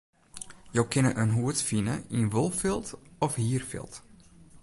Jo kinne in hoed fine yn wolfilt of hierfilt.